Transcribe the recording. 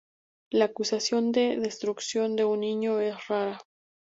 La acusación de destrucción de un niño es rara.